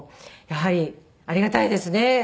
やはりありがたいですね